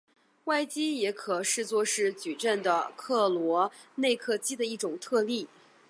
外积也可视作是矩阵的克罗内克积的一种特例。